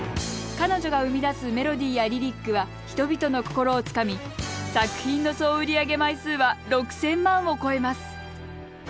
彼女が生み出すメロディーやリリックは人々の心をつかみ作品の総売り上げ枚数は６，０００万を超えます。